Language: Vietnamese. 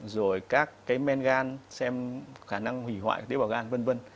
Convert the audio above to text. rồi các cái men gan xem khả năng hủy hoại tế bào gan v v